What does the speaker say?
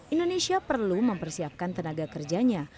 indonesia perlu mempersiapkan tenaga kerjanya